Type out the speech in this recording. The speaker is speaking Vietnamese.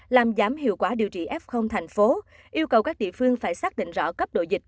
làm giảm hiệu quả điều trị f thành phố yêu cầu các địa phương phải xác định rõ cấp độ dịch